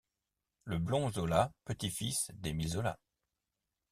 Le Blond-Zola, petit-fils d' Émile Zola.